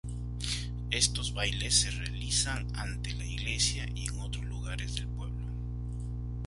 Estos bailes se realizan ante la iglesia y en otros lugares del pueblo.